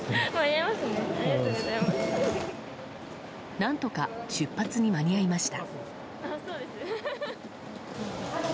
何とか出発に間に合いました。